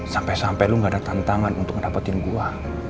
sampai sampai lo gak ada tantangan untuk ngedapetin gue